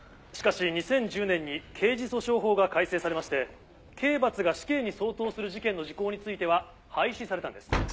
しかし２０１０年に刑事訴訟法が改正されまして刑罰が死刑に相当する事件の時効については廃止されたんです。